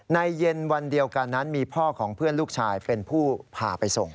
เย็นวันเดียวกันนั้นมีพ่อของเพื่อนลูกชายเป็นผู้พาไปส่ง